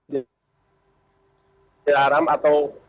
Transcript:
masjid al haram atau